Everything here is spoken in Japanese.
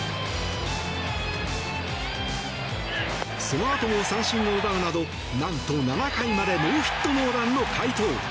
そのあとも三振を奪うなど何と７回までノーヒットノーランの快投。